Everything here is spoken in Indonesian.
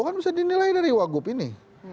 kan bisa dinilai dari wagub ini